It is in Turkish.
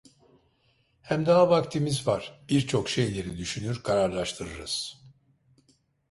Hem daha vaktimiz var, birçok şeyleri düşünür kararlaştırırız…